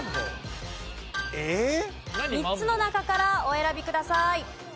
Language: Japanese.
３つの中からお選びください。